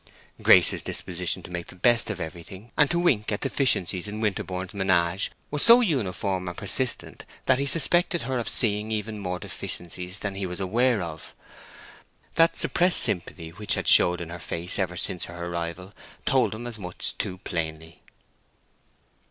Grace's disposition to make the best of everything, and to wink at deficiencies in Winterborne's menage, was so uniform and persistent that he suspected her of seeing even more deficiencies than he was aware of. That suppressed sympathy which had showed in her face ever since her arrival told him as much too plainly.